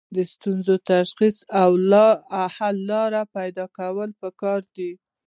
د ستونزو تشخیص او حل لاره پیدا کول پکار دي.